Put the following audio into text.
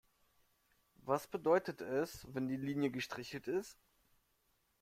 Was bedeutet es, wenn die Linie gestrichelt ist?